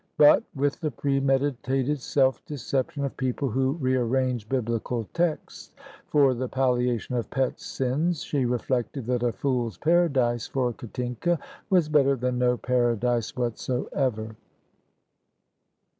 But, with the premeditated self deception of people who rearrange biblical texts for the palliation of pet sins, she reflected that a fool's paradise for Katinka was better than no paradise whatsoever.